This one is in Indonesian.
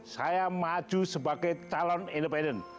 saya maju sebagai calon independen